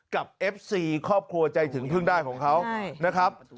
เอฟซีครอบครัวใจถึงเพิ่งได้ของเขานะครับ